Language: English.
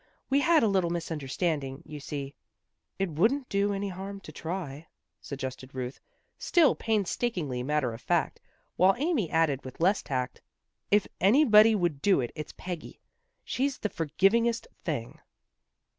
We had a little misunderstanding, you see." " It wouldn't do any harm to try," suggested Ruth, still painstakingly matter of fact, while Amy added with less tact, "If anybody would do it, it's Peggy. She's the forgivingest thing."